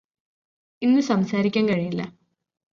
ഇന്ന് സംസാരിക്കാൻ കഴിയില്ലാ